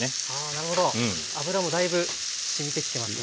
なるほど脂もだいぶしみてきてますね。